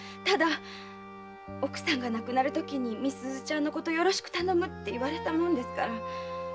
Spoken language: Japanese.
ただ奥さんが亡くなるときに美鈴ちゃんのことをよろしく頼むって言われたものですから。